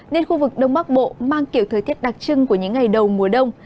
nên khu vực đông bắc bộ mang kiểu thời tiết đặc trưng của những ngày đầu mùa đông